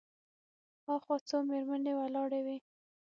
هاخوا څو مېرمنې ولاړې وې.